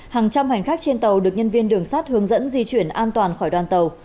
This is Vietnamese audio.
hàng trăm hành khách trên tàu được nhân viên đường sát hướng dẫn di chuyển an toàn khỏi đoàn tàu